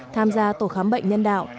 tham gia tổ khám bệnh nhân đạo